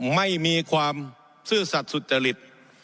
ไม่มีความซื่อสัตว์สุจริต